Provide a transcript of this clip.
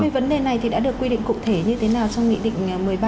vấn đề này thì đã được quy định cụ thể như thế nào trong nghị định một mươi ba